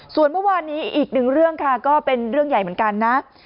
ส่วนเมื่อวานนี้อีกหนึ่งเรื่องค่ะก็เป็นเรื่องใหญ่เหมือนกันนะ